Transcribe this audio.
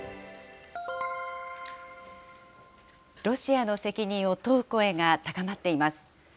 ロシアの責任を問う声が高まっています。